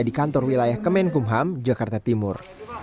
di kantor wilayah kemenkumham jakarta timur